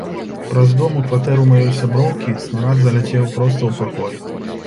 Праз дом у кватэру маёй сяброўкі снарад заляцеў проста ў пакой.